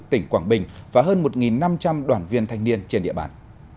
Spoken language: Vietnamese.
tỉnh quảng bình và hơn một năm trăm linh đoàn viên thanh niên trên địa bàn